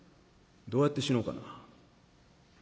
どうやって死のうかな。